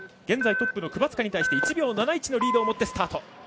現在トップのクバツカに対して１秒７１のリードをもってスタート。